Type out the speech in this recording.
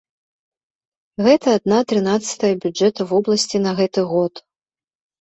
Гэта адна трынаццатая бюджэта вобласці на гэты год.